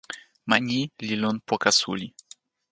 ma ni li lon poka suli.